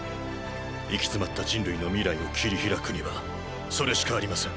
行き詰まった人類の未来を切り開くにはそれしかありません。